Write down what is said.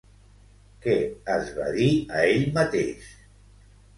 Què es va dir a ell mateix?